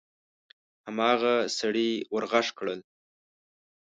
هماغه سړي ور غږ کړل: